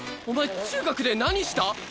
お前中学で何した？